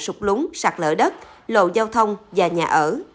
sụt lún sạt lở đất lộ giao thông và nhà ở